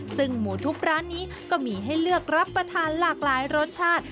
ซึ่งหมูทุบร้านนี้ก็มีให้เลือกรับประทานหลากหลายรสชาติ